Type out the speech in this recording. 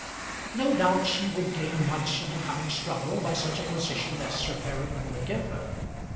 No doubt she would gain much in the coming struggle by such a position as Sir Peregrine would give her.